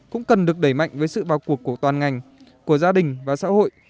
cũng cần được đẩy mạnh với sự vào cuộc của toàn ngành của gia đình và xã hội